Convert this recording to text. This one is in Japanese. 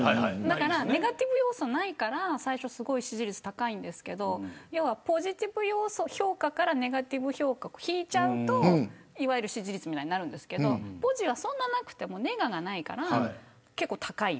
ネガティブ要素ないから最初すごい、支持率高いんですけれどポジティブ評価からネガティブ評価を引いちゃうといわゆる支持率みたいになるんですけどポジはそんなになくてもネガがないから、結構高い。